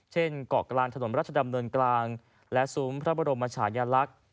เช่นเกาะกลางถนนรัชดำเนินกลางและสูมพระบรมชาญญาลักษณ์